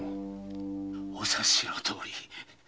お察しのとおり。